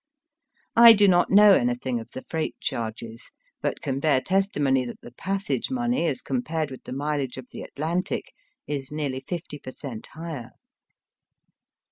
I do not know anything of the freight charges, but can bear testimony that the passage money as com pared with the mileage of the Atlantic is nearly fifty per cent, higher.